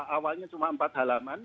awalnya cuma empat halaman